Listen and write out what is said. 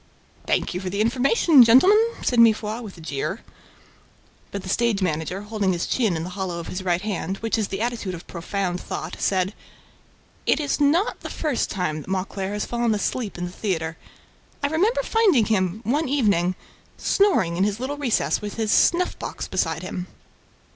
"Thank you for the information, gentlemen," said Mifroid, with a jeer. But the stage manager, holding his chin in the hollow of his right hand, which is the attitude of profound thought, said: "It is not the first time that Mauclair has fallen asleep in the theater. I remember finding him, one evening, snoring in his little recess, with his snuff box beside him."